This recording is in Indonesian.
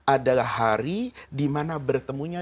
adalah hari dimana bertemunya